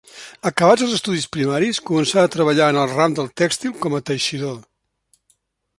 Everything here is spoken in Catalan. Acabats els estudis primaris, començà a treballar en el ram del tèxtil com a teixidor.